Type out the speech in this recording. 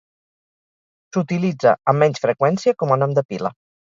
S'utilitza amb menys freqüència com a nom de pila.